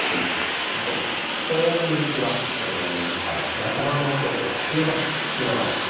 あと「こーんにちは」のように頭の音を引き伸ばす「引き伸ばし」。